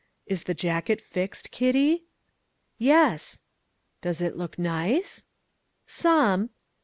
"Is the jacket fixed, Kitty?" "Yes." "Does it look nice?" "Some."